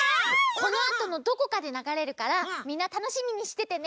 このあとのどこかでながれるからみんなたのしみにしててね！